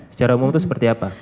secara umum itu seperti apa